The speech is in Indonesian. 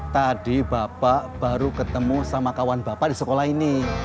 tadi bapak baru ketemu sama kawan bapak di sekolah ini